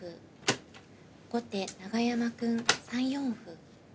後手永山くん３四歩。